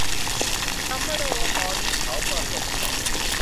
จำไม่ได้ว่าตอนนี้เขาปรากฏที่ไหน